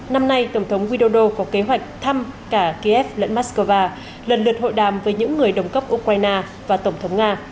năm nay tổng thống widodo có kế hoạch thăm cả kiev lẫn moscow lần lượt hội đàm với những người đồng cấp ukraine và tổng thống nga